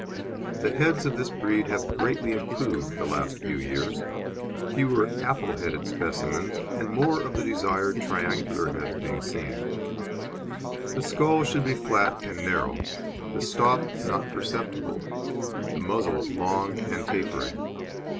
The heads of this breed have greatly improved the last few years; fewer "apple headed" specimens, and more of the desired triangular heads being seen. The skull should be flat and narrow, the stop not perceptible, the muzzle long and tapering.